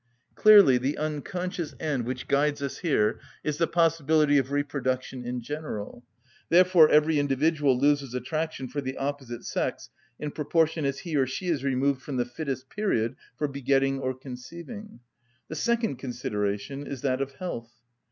Clearly the unconscious end which guides us here is the possibility of reproduction in general: therefore every individual loses attraction for the opposite sex in proportion as he or she is removed from the fittest period for begetting or conceiving. The second consideration is that of health.